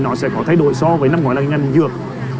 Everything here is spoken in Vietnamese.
nó sẽ có thay đổi so với năm ngành dược